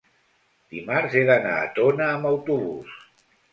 dimarts he d'anar a Tona amb autobús.